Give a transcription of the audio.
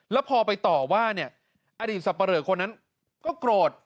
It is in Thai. แล้วพอไปต่อว่านี่อดีตสเปรอคนนั้นก็โกรธ